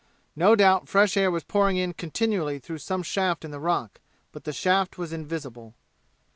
No doubt fresh air was pouring in continually through some shaft in the rock, but the shaft was invisible.